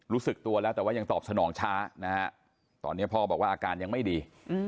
รู้สึกตัวแล้วแต่ว่ายังตอบสนองช้านะฮะตอนนี้พ่อบอกว่าอาการยังไม่ดี